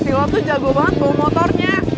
si lo tuh jago banget bawa motornya